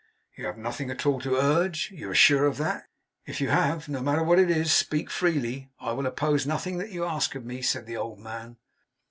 'You have nothing at all to urge? You are sure of that! If you have, no matter what it is, speak freely. I will oppose nothing that you ask of me,' said the old man.